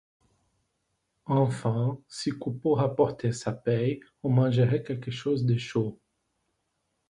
Enfin, si Coupeau rapportait sa paie, on mangerait quelque chose de chaud.